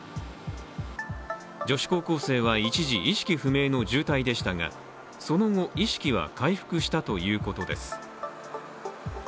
女子高校生は一時、意識不明の重体でしたが、その後、意識は回復したということです。